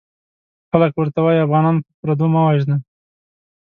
خلک ورته وايي افغانان په پردو مه وژنه!